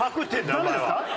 ダメですか？